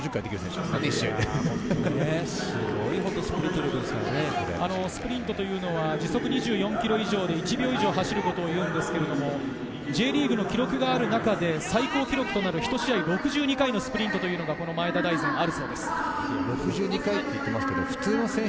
疲れてる時間のスプリンスプリントというのは時速２４ｋｍ以上で１秒以上走ることをいうのですが、Ｊリーグの記録がある中で最高記録となる一試合６２回のスプリントが前田大然にはあるそうです。